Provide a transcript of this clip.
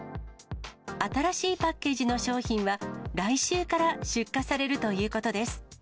新しいパッケージの商品は、来週から出荷されるということです。